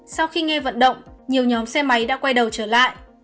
sau khi nghe vận động nhiều nhóm xe máy đã quay đầu trở lại